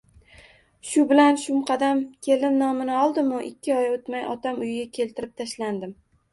Shu bilan shumqadam kelin nomini oldimu, ikki oy o'tmay ota uyimga keltirib tashlandim…